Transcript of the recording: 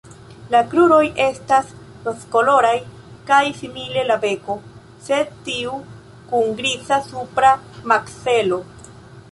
La kruroj estas rozkoloraj kaj simile la beko, sed tiu kun griza supra makzelo.